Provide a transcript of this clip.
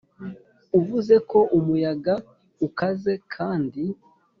uvuze ko umuyaga ukaze, kandi,